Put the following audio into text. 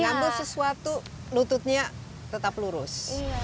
mengambil sesuatu lututnya tetap lurus